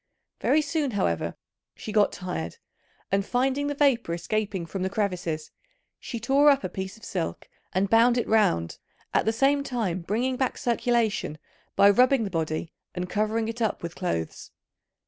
Very soon, however, she got tired, and finding the vapour escaping from the crevices, she tore up a piece of silk and bound it round, at the same time bringing back circulation by rubbing the body and covering it up with clothes.